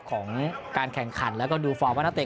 ของการแข่งขันแล้วก็ดูฟอร์มว่านักเตะ